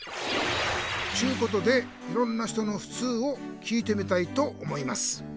ちゅうことでいろんな人のふつうを聞いてみたいと思います。